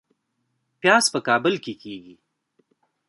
پیاز په کابل کې کیږي